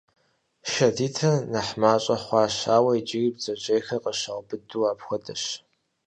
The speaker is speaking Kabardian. Шэд итыр нэхъ мащӀэ хъуащ, ауэ иджыри бдзэжьейхэр къыщаубыду апхуэдэщ.